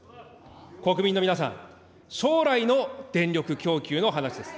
国民の皆さん、将来の電力供給の話です。